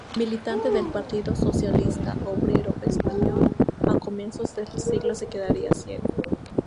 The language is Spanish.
Militante del Partido Socialista Obrero Español, a comienzos del siglo se quedaría ciego.